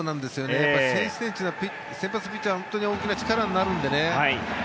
先取点というのは先発ピッチャーは本当に大きな力になるんでね。